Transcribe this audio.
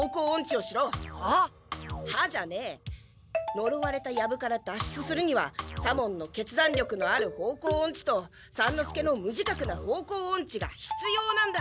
のろわれたヤブから脱出するには左門の「決断力のある方向オンチ」と三之助の「無自覚な方向オンチ」がひつようなんだ！